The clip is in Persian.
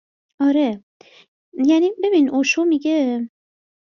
آره، یعنی ببین اوشو می گه